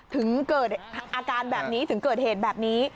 ถึงเกิดอาการแบบนี้ถึงเกิดเหตุแบบนี้